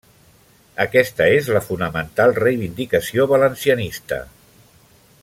Aquesta és la fonamental reivindicació valencianista.